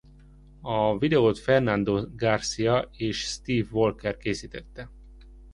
A videót Fernando Garcia és Steve Walker készítette.